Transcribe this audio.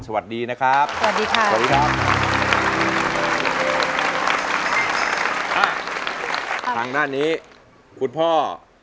และก็คุณย่าและวันนี้พิเศษมีคุณครูนะครับมาด้วยอีก๒ท่านเดียวไปพูดคุยกัน